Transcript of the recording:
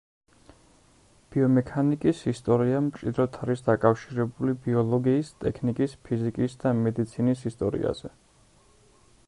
ბიომექანიკის ისტორია მჭიდროდ არის დაკავშირებული ბიოლოგიის, ტექნიკის, ფიზიკის და მედიცინის ისტორიაზე.